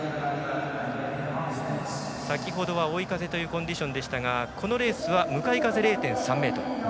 先ほどは追い風というコンディションでしたがこのレースは向かい風０．３メートル。